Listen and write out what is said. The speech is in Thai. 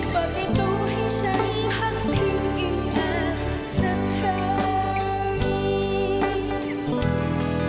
เปิดประตูให้ฉันหักทิ้งอีกนานสักครั้ง